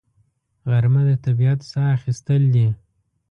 غرمه د طبیعت ساه اخیستل دي